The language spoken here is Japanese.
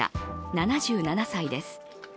７７歳です。